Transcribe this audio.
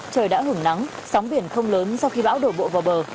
trời đã hưởng nắng sóng biển không lớn sau khi bão đổ bộ vào bờ